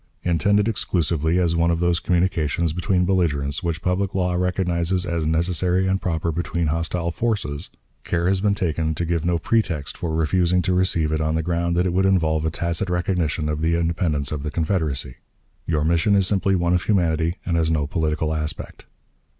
Intended exclusively as one of those communications between belligerents which public law recognizes as necessary and proper between hostile forces, care has been taken to give no pretext for refusing to receive it on the ground that it would involve a tacit recognition of the independence of the Confederacy. Your mission is simply one of humanity, and has no political aspect.